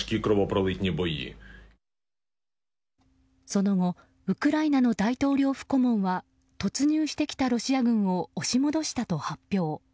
その後ウクライナの大統領府顧問は突入してきたロシア軍を押し戻したと発表。